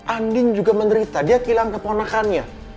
andin juga menderita dia hilang keponakannya